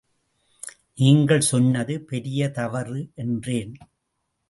நீங்கள் சொன்னது பெரிய தவறு என்றேன்.